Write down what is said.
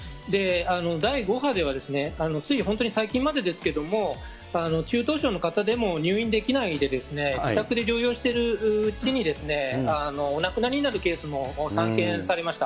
第５波では、つい本当に最近までですけれども、中等症の方でも入院できないで、自宅で療養しているうちに、お亡くなりになるケースも散見されました。